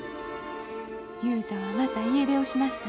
雄太はまた家出をしました。